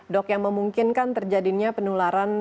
dok yang memungkinkan terjadinya penularan